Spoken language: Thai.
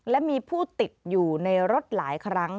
และมีผู้ติดอยู่ในรถหลายครั้ง